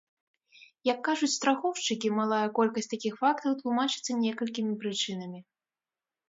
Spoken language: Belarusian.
Як кажуць страхоўшчыкі, малая колькасць такіх фактаў тлумачыцца некалькімі прычынамі.